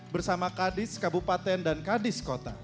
bersama kadis kabupaten dan kadis kota